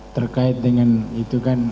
terkait dengan itu kan